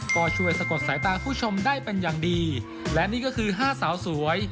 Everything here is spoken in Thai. ก็ช่วยสะกดสายตาผู้ชมได้เป็นอย่างดีและนี่ก็คือห้าสาวสวย